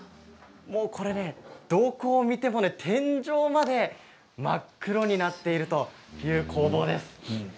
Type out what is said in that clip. これね、どこを見ても天井まで真っ黒になっているという工房です。